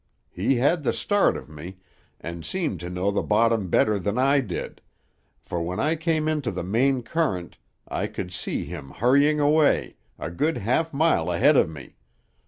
He had the start of me, and seemed to know the bottom better than I did, for when I came into the main current I could see him hurrying away, a good half mile ahead of me.